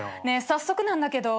早速なんだけど。